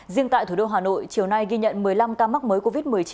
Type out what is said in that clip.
riêng tại thủ đô hà nội chiều nay ghi nhận một mươi năm ca mắc mới covid một mươi chín